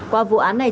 qua vụ án này